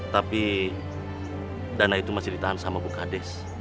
tapi dana itu masih ditahan sama bukades